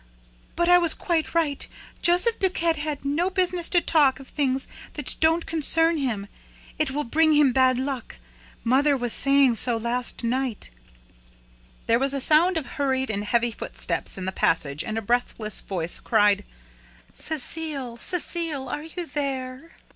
But I was quite right, Joseph Buquet had no business to talk of things that don't concern him it will bring him bad luck mother was saying so last night " There was a sound of hurried and heavy footsteps in the passage and a breathless voice cried: "Cecile! Cecile! Are you there?"